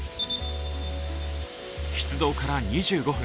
出動から２５分。